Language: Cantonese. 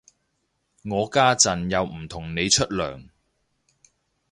我家陣又唔同你出糧